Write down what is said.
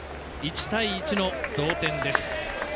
１対１の同点です。